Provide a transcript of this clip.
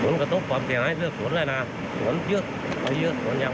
มาอยู่๒๐กว่าปีแล้วไม่เคยเห็น